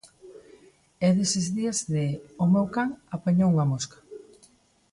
E deses días de "o meu can apañou unha mosca".